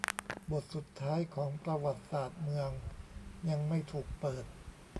บทสุดท้ายของประวัติศาสตร์เมืองยังไม่ถูกเปิด